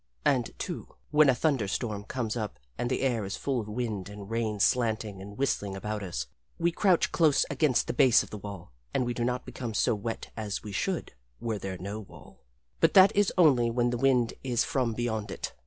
And, too, when a thunder storm comes up and the air is full of wind and rain slanting and whistling about us, we crouch close against the base of the wall, and we do not become so wet as we should were there no wall. But that is only when the wind is from beyond it.